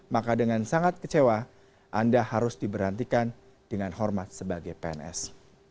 maka dengan sangat kecewa anda harus diberhentikan dengan hormat sebagai pns